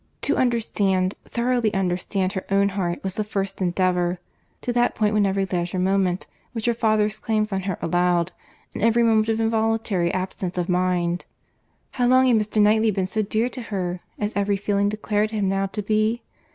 To understand, thoroughly understand her own heart, was the first endeavour. To that point went every leisure moment which her father's claims on her allowed, and every moment of involuntary absence of mind. How long had Mr. Knightley been so dear to her, as every feeling declared him now to be?